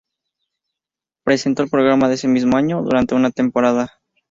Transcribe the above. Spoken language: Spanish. Presentó el programa ese mismo año durante una temporada.